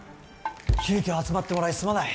急きょ集まってもらいすまない。